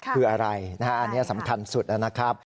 คืออะไรนะฮะอันนี้สำคัญสุดนะครับ